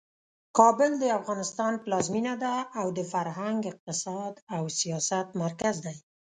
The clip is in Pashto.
کابل د افغانستان پلازمینه ده او د فرهنګ، اقتصاد او سیاست مرکز دی.